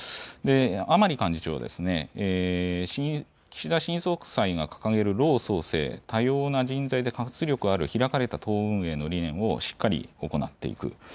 甘利幹事長はですね岸田新総裁が掲げる、老・壮・青多様な人材で活力ある開かれた党運営の理念をしっかり行っていく。